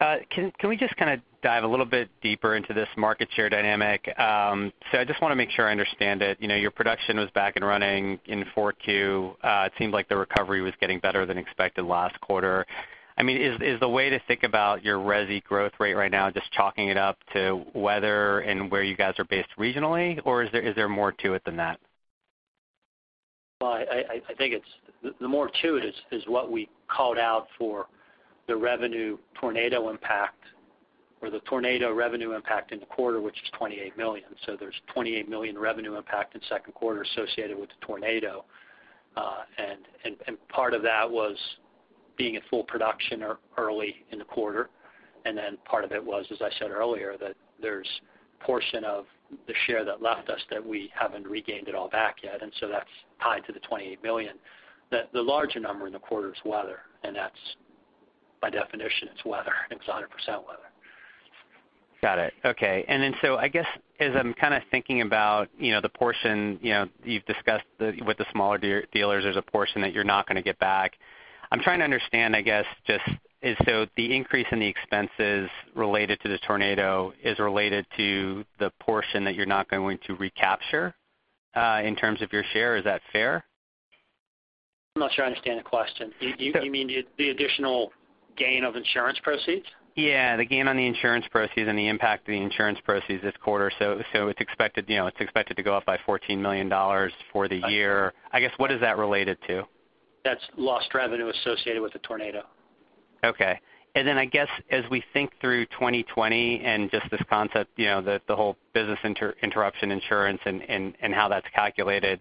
Can we just kind of dive a little bit deeper into this market share dynamic? I just want to make sure I understand it. Your production was back and running in 4Q. It seemed like the recovery was getting better than expected last quarter. Is the way to think about your resi growth rate right now just chalking it up to weather and where you guys are based regionally, or is there more to it than that? Well, I think the more to it is what we called out for the revenue tornado impact, or the tornado revenue impact in the quarter, which is $28 million. There's $28 million revenue impact in the second quarter associated with the tornado. Part of that was being at full production early in the quarter, and then part of it was, as I said earlier, that there's a portion of the share that left us that we haven't regained it all back yet. That's tied to the $28 million. The larger number in the quarter is weather, and that's by definition, it's weather, and it's 100% weather. Got it. Okay. I guess as I'm kind of thinking about the portion you've discussed with the smaller dealers, there's a portion that you're not going to get back. I'm trying to understand, I guess, the increase in the expenses related to the tornado is related to the portion that you're not going to recapture in terms of your share. Is that fair? I'm not sure I understand the question. You mean the additional gain of insurance proceeds? Yeah, the gain on the insurance proceeds and the impact of the insurance proceeds this quarter. It's expected to go up by $14 million for the year. I guess, what is that related to? That's lost revenue associated with the tornado. Okay. I guess as we think through 2020 and just this concept, the whole business interruption insurance and how that's calculated,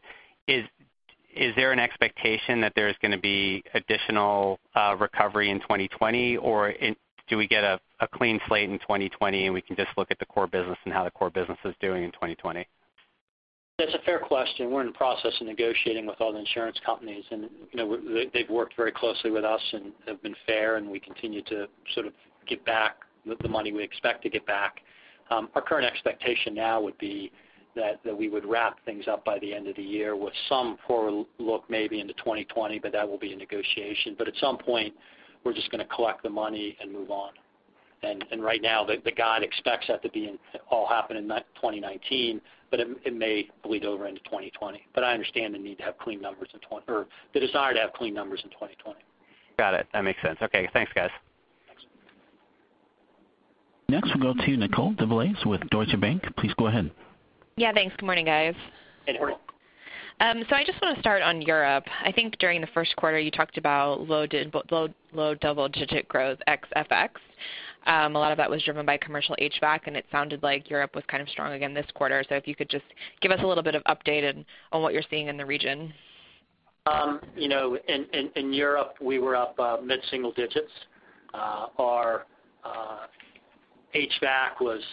is there an expectation that there's going to be additional recovery in 2020? Do we get a clean slate in 2020, and we can just look at the core business and how the core business is doing in 2020? That's a fair question. We're in the process of negotiating with all the insurance companies. They've worked very closely with us and have been fair, and we continue to sort of get back the money we expect to get back. Our current expectation now would be that we would wrap things up by the end of the year with some forward look, maybe into 2020, but that will be a negotiation. At some point, we're just going to collect the money and move on. Right now, the guide expects that to all happen in 2019, but it may bleed over into 2020. I understand the desire to have clean numbers in 2020. Got it. That makes sense. Okay. Thanks, guys. Thanks. Next, we'll go to Nicole DeBlase with Deutsche Bank. Please go ahead. Yeah, thanks. Good morning, guys. Hey, Nicole. I just want to start on Europe. I think during the first quarter, you talked about low double-digit growth ex FX. A lot of that was driven by commercial HVAC, and it sounded like Europe was kind of strong again this quarter. If you could just give us a little bit of update on what you're seeing in the region. In Europe, we were up mid-single digits. Our HVAC was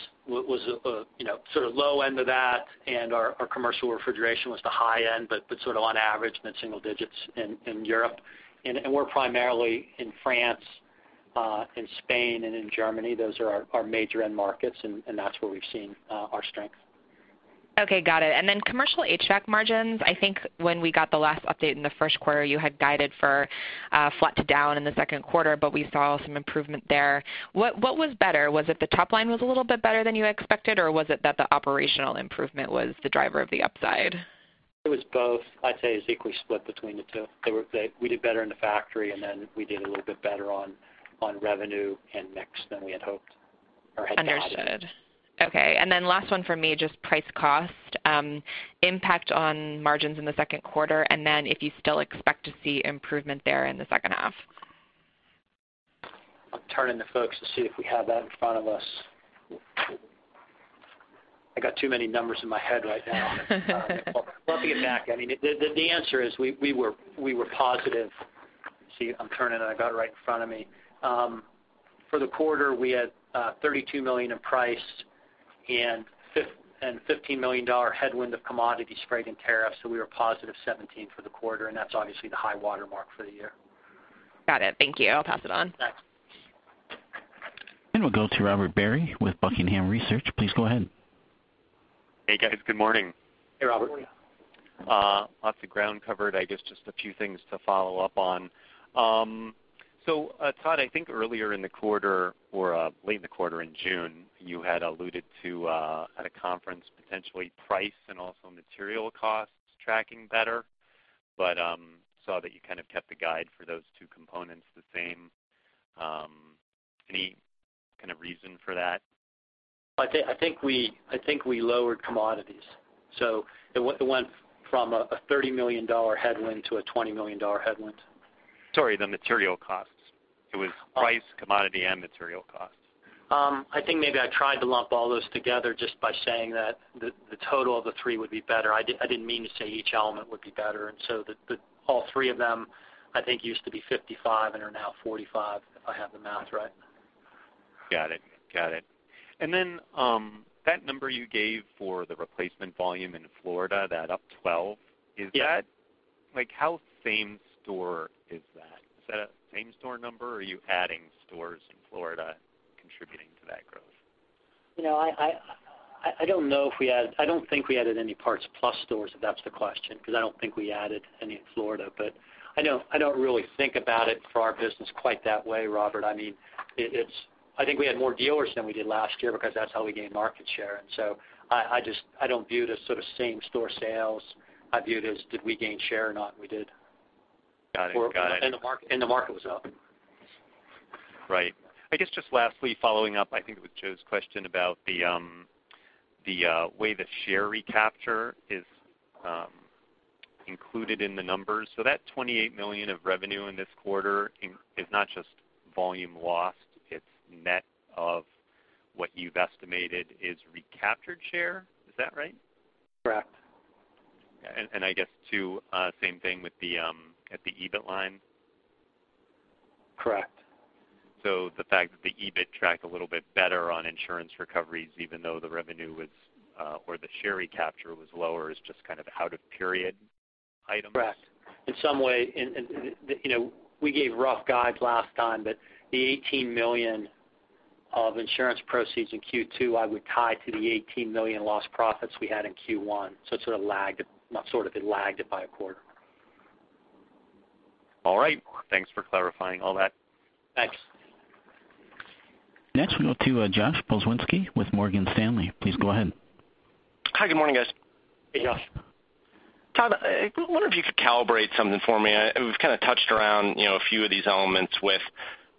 sort of low end of that, and our commercial refrigeration was the high end, but sort of on average, mid-single digits in Europe. We're primarily in France, in Spain, and in Germany. Those are our major end markets, and that's where we've seen our strength. Okay, got it. Commercial HVAC margins, I think when we got the last update in the first quarter, you had guided for flat to down in the second quarter, but we saw some improvement there. What was better? Was it the top line was a little bit better than you expected, or was it that the operational improvement was the driver of the upside? It was both. I'd say it was equally split between the two. We did better in the factory, and then we did a little bit better on revenue and mix than we had hoped or had guided. Understood. Okay. Last one from me, just price cost, impact on margins in the second quarter, and then if you still expect to see improvement there in the second half? I'll turn to the folks to see if we have that in front of us. I got too many numbers in my head right now. I'll get back. The answer is, we were positive. Let me see. I'm turning, and I've got it right in front of me. For the quarter, we had $32 million in price and $15 million headwind of commodities, freight, and tariffs. We were positive 17 for the quarter, and that's obviously the high watermark for the year. Got it. Thank you. I'll pass it on. Thanks. We'll go to Robert Barry with Buckingham Research. Please go ahead. Hey, guys. Good morning. Hey, Robert. Good morning. Lots of ground covered. I guess just a few things to follow up on. Todd, I think earlier in the quarter or late in the quarter in June, you had alluded to, at a conference, potentially price and also material costs tracking better, but, saw that you kind of kept the guide for those two components the same. Any kind of reason for that? I think we lowered commodities. It went from a $30 million headwind to a $20 million headwind. Sorry, the material costs. It was price, commodity, and material costs. I think maybe I tried to lump all those together just by saying that the total of the three would be better. I didn't mean to say each element would be better. All three of them, I think, used to be 55 and are now 45, if I have the math right. Got it. That number you gave for the replacement volume in Florida, that up 12- Yeah. How same store is that? Is that a same store number, or are you adding stores in Florida contributing to that growth? I don't think we added any PartsPlus stores, if that's the question, because I don't think we added any in Florida. I don't really think about it for our business quite that way, Robert. I think we had more dealers than we did last year because that's how we gained market share. I don't view it as sort of same store sales. I view it as, did we gain share or not, and we did. Got it. The market was up. Right. I guess just lastly, following up, I think, with Joe's question about the way the share recapture is included in the numbers. That $28 million of revenue in this quarter is not just volume lost, it's net of what you've estimated is recaptured share. Is that right? Correct. I guess too, same thing at the EBIT line? Correct. The fact that the EBIT tracked a little bit better on insurance recoveries, even though the revenue was, or the share recapture was lower, is just kind of out of period items? Correct. In some way, we gave rough guides last time, but the $18 million of insurance proceeds in Q2, I would tie to the $18 million lost profits we had in Q1, so it sort of lagged, not sort of, it lagged it by a quarter. All right. Thanks for clarifying all that. Thanks. Next, we go to Josh Pokrzywinski with Morgan Stanley. Please go ahead. Hi, good morning, guys. Hey, Josh. Todd, I wonder if you could calibrate something for me. We've kind of touched around a few of these elements with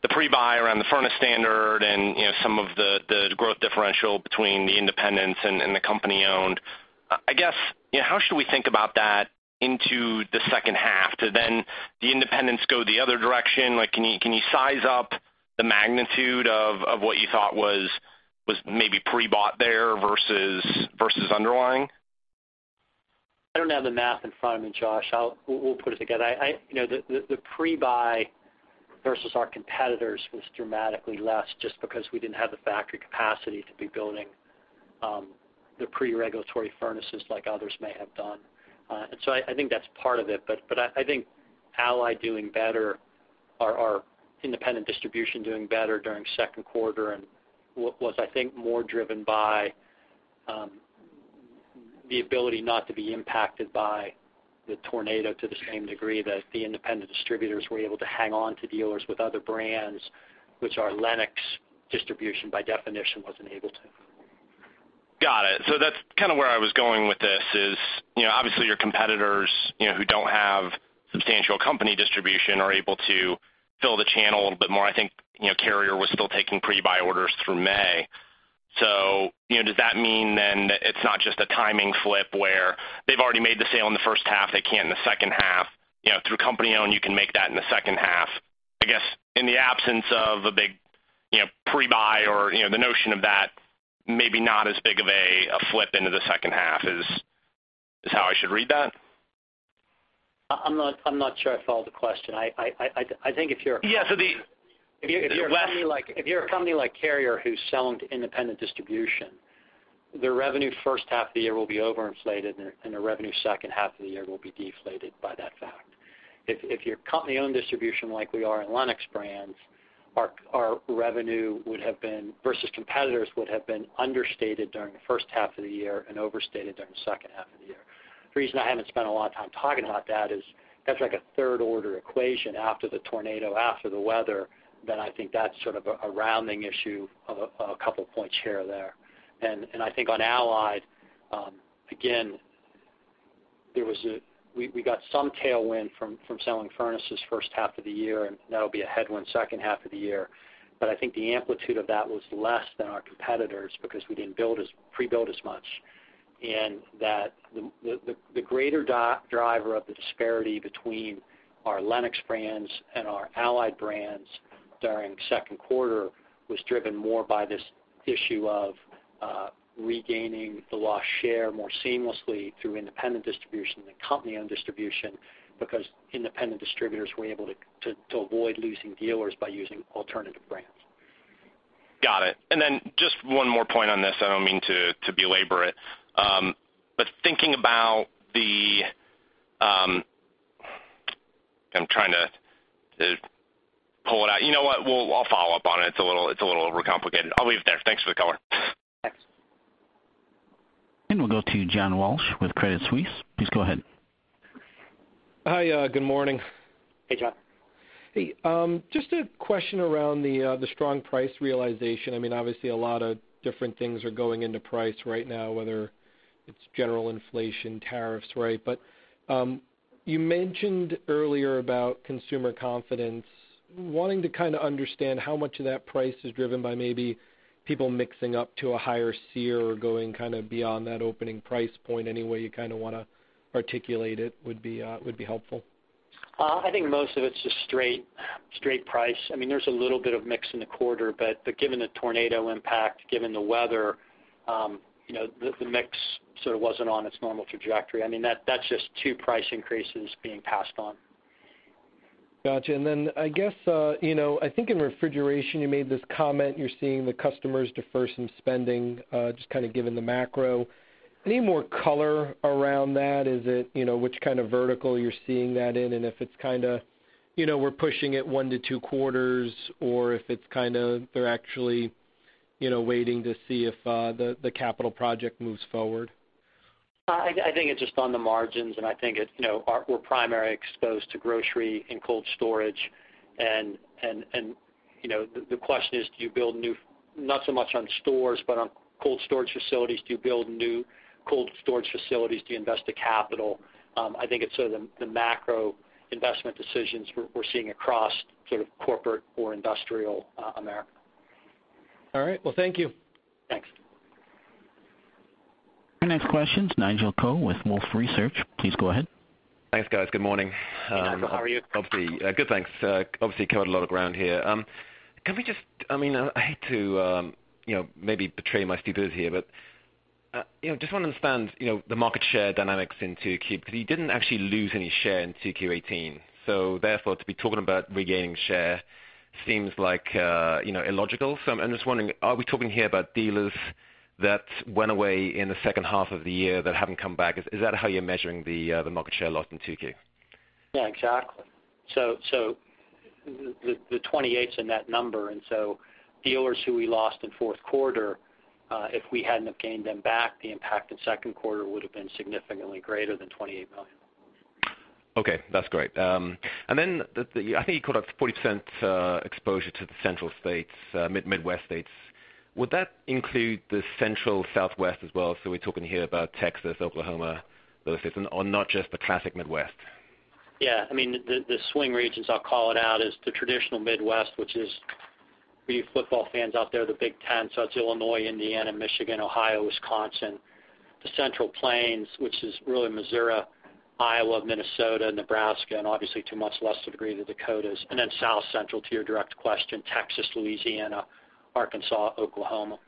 the pre-buy around the furnace standard and some of the growth differential between the independents and the company-owned. I guess, how should we think about that into the second half? Do the independents go the other direction? Can you size up the magnitude of what you thought was maybe pre-bought there versus underlying? I don't have the math in front of me, Josh. We'll put it together. The pre-buy versus our competitors was dramatically less just because we didn't have the factory capacity to be building the pre-regulatory furnaces like others may have done. I think that's part of it. I think Allied doing better or our independent distribution doing better during second quarter was, I think, more driven by the ability not to be impacted by the tornado to the same degree, that the independent distributors were able to hang on to dealers with other brands, which our Lennox distribution, by definition, wasn't able to. Got it. That's kind of where I was going with this is, obviously, your competitors who don't have substantial company distribution are able to fill the channel a little bit more. I think Carrier was still taking pre-buy orders through May. Does that mean then that it's not just a timing flip where they've already made the sale in the first half, they can't in the second half. Through company-owned, you can make that in the second half. I guess, in the absence of a big pre-buy or the notion of that, maybe not as big of a flip into the second half is how I should read that? I'm not sure I follow the question. Yeah, so the- If you're a company like Carrier who's selling to independent distribution, the revenue first half of the year will be overinflated, and the revenue second half of the year will be deflated by that fact. If you're company-owned distribution like we are in Lennox branded, our revenue versus competitors would have been understated during the first half of the year and overstated during the second half of the year. The reason I haven't spent a lot of time talking about that is that's like a third-order equation after the tornado, after the weather, I think that's sort of a rounding issue of a couple point share there. I think on Allied, again. We got some tailwind from selling furnaces first half of the year, and that'll be a headwind second half of the year. I think the amplitude of that was less than our competitors because we didn't pre-build as much. That the greater driver of the disparity between our Lennox brands and our Allied brands during second quarter was driven more by this issue of regaining the lost share more seamlessly through independent distribution than company-owned distribution, because independent distributors were able to avoid losing dealers by using alternative brands. Got it. Just one more point on this. I don't mean to belabor it. I'm trying to pull it out. You know what? I'll follow up on it. It's a little overcomplicated. I'll leave it there. Thanks for the color. Thanks. We'll go to John Walsh with Credit Suisse. Please go ahead. Hi, good morning. Hey, John. Hey. Just a question around the strong price realization. Obviously, a lot of different things are going into price right now, whether it's general inflation, tariffs, right? You mentioned earlier about consumer confidence. Wanting to kind of understand how much of that price is driven by maybe people mixing up to a higher SEER or going kind of beyond that opening price point. Any way you kind of want to articulate it would be helpful. I think most of it's just straight price. There's a little bit of mix in the quarter, but given the tornado impact, given the weather, the mix sort of wasn't on its normal trajectory. That's just two price increases being passed on. Got you. I think in refrigeration you made this comment, you're seeing the customers defer some spending, just kind of given the macro. Any more color around that? Is it which kind of vertical you're seeing that in, and if it's kind of we're pushing it one to two quarters or if it's kind of they're actually waiting to see if the capital project moves forward? I think it's just on the margins, and I think we're primarily exposed to grocery and cold storage, and the question is do you build new Not so much on stores, but on cold storage facilities. Do you build new cold storage facilities? Do you invest the capital? I think it's sort of the macro investment decisions we're seeing across sort of corporate or industrial America. All right. Well, thank you. Thanks. Our next question is Nigel Coe with Wolfe Research. Please go ahead. Thanks, guys. Good morning. Hey, Nigel. How are you? Good, thanks. Obviously covered a lot of ground here. Just want to understand the market share dynamics in 2Q, because you didn't actually lose any share in 2Q 2018. Therefore, to be talking about regaining share seems illogical. I'm just wondering, are we talking here about dealers that went away in the second half of the year that haven't come back? Is that how you're measuring the market share loss in 2Q? Yeah, exactly. The 28 is in that number, dealers who we lost in fourth quarter, if we hadn't have gained them back, the impact in second quarter would've been significantly greater than $28 million. Okay, that's great. I think you called out 40% exposure to the Central States, Midwest states. Would that include the Central Southwest as well? We're talking here about Texas, Oklahoma, those systems, or not just the classic Midwest? Yeah. The swing regions, I'll call it out, is the traditional Midwest, which is, for you football fans out there, the Big Ten. It's Illinois, Indiana, Michigan, Ohio, Wisconsin. The Central Plains, which is really Missouri, Iowa, Minnesota, Nebraska, and obviously to much less degree, the Dakotas. South Central, to your direct question, Texas, Louisiana, Arkansas, Oklahoma.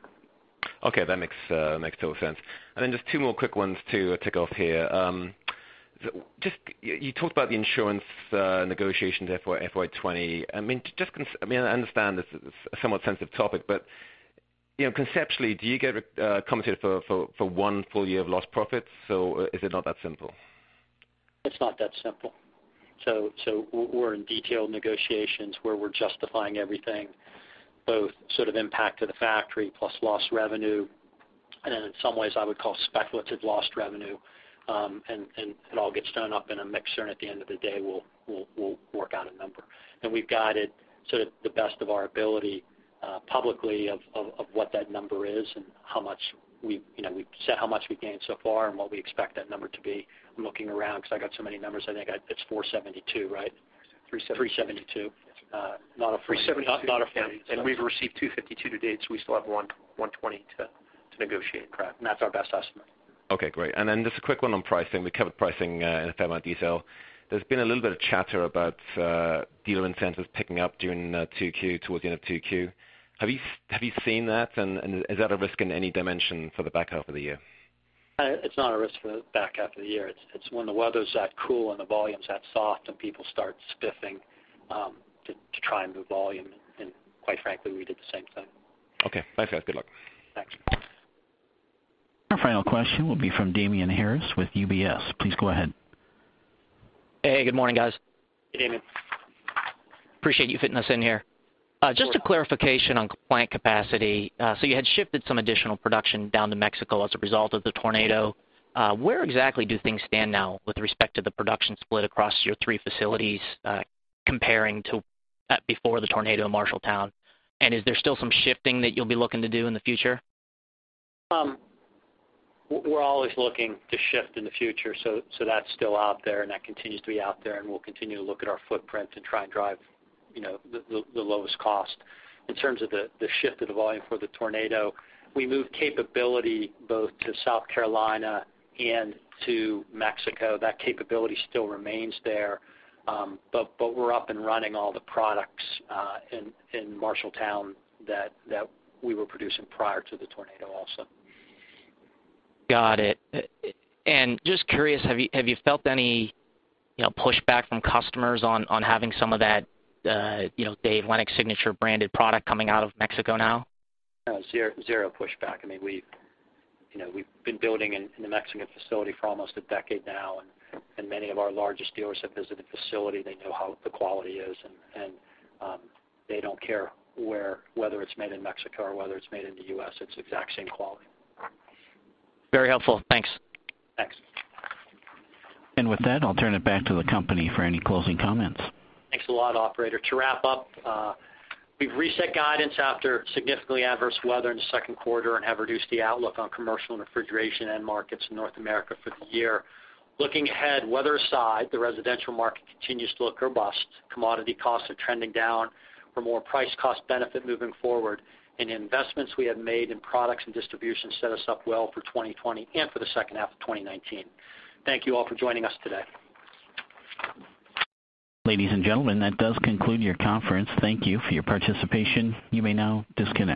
Okay. That makes total sense. Then just two more quick ones to tick off here. You talked about the insurance negotiations for FY 2020. I understand this is a somewhat sensitive topic, but conceptually, do you get compensated for one full year of lost profits, or is it not that simple? It's not that simple. We're in detailed negotiations where we're justifying everything, both sort of impact to the factory plus lost revenue. In some ways I would call speculative lost revenue, and it all gets thrown up in a mixer and at the end of the day, we'll work out a number. We've guided to the best of our ability publicly of what that number is and how much we've set, how much we've gained so far, and what we expect that number to be. I'm looking around because I got so many numbers. I think it's 472, right? 372. 372. Not a 400. 372. We've received 252 to date, so we still have 120 to negotiate, and that's our best estimate. Okay, great. Just a quick one on pricing. We covered pricing in a fair amount of detail. There's been a little bit of chatter about dealer incentives picking up during 2Q, towards the end of 2Q. Have you seen that? Is that a risk in any dimension for the back half of the year? It's not a risk for the back half of the year. It's when the weather's that cool and the volume's that soft and people start spiffing to try and move volume. Quite frankly, we did the same thing. Okay. Thanks, guys. Good luck. Thanks. Our final question will be from Damian Karas with UBS. Please go ahead. Hey, good morning, guys. Hey, Damian. Appreciate you fitting us in here. Of course. Just a clarification on plant capacity. You had shifted some additional production down to Mexico as a result of the tornado. Where exactly do things stand now with respect to the production split across your three facilities comparing to before the tornado in Marshalltown? Is there still some shifting that you'll be looking to do in the future? We're always looking to shift in the future. That's still out there, and that continues to be out there, and we'll continue to look at our footprint and try and drive the lowest cost. In terms of the shift of the volume for the tornado, we moved capability both to South Carolina and to Mexico. That capability still remains there. We're up and running all the products in Marshalltown that we were producing prior to the tornado also. Got it. Just curious, have you felt any pushback from customers on having some of that Dave Lennox signature branded product coming out of Mexico now? No. Zero pushback. We've been building in the Mexican facility for almost a decade now. Many of our largest dealers have visited the facility. They know how the quality is. They don't care whether it's made in Mexico or whether it's made in the U.S. It's the exact same quality. Very helpful. Thanks. Thanks. With that, I'll turn it back to the company for any closing comments. Thanks a lot, operator. To wrap up, we've reset guidance after significantly adverse weather in the second quarter and have reduced the outlook on commercial and refrigeration end markets in North America for the year. Looking ahead, weather aside, the residential market continues to look robust. Commodity costs are trending down for more price cost benefit moving forward, and the investments we have made in products and distribution set us up well for 2020 and for the second half of 2019. Thank you all for joining us today. Ladies and gentlemen, that does conclude your conference. Thank you for your participation. You may now disconnect.